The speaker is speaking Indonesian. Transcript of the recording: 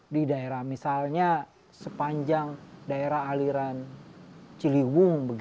di daerah misalnya sepanjang daerah aliran ciliwung